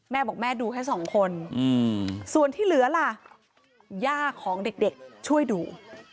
แม่บอกแม่ดูแค่สองคนส่วนที่เหลือล่ะย่าของเด็กช่วยดู